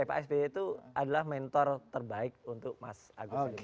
pak sby itu adalah mentor terbaik untuk mas agus